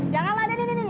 janganlah dia ini ini ini